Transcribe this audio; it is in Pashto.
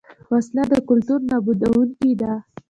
وسله د کلتور نابودوونکې ده